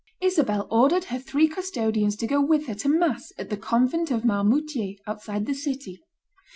Isabel ordered her three custodians to go with her to mass at the Convent of Marmoutier, outside the city.